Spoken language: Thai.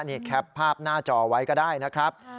นี่แคปภาพหน้าจอไว้ก็ได้นะครับ